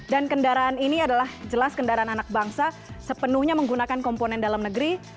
dan kendaraan ini adalah jelas kendaraan anak bangsa sepenuhnya menggunakan komponen dalam negeri